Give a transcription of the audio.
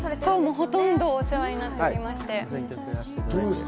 ほとんどお世話になっておりまして。